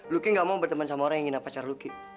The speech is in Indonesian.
luki gak mau berteman sama orang yang ngina pacar luki